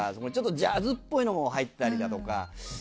ジャズっぽいのも入ったりだとか。